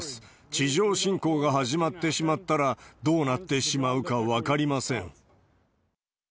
地上侵攻が始まってしまったらどうなってしまうか分かりません。